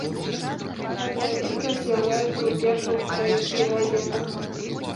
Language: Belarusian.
Гэтая літара з'яўляецца ў першых украінскіх газетах.